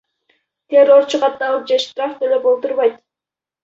Террорчу катталып же штраф төлөп олтурбайт.